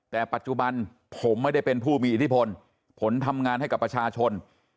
แต่ปัจจุบันผมไม่ได้เป็นผู้มีอิทธิพลผมทำงานให้กับประชาชน